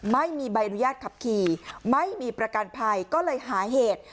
ไม่มีใบอนุญาตขับขี่ไม่มีประกันภัยก็เลยหาเหตุ